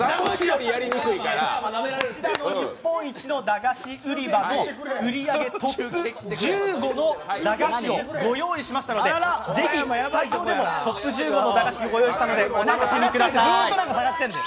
こちらの日本一のだがし売り場の売り上げトップ１５の駄菓子をご用意しましたので、ぜひスタジオでもトップ１５の駄菓子をご用意したのでお楽しみください。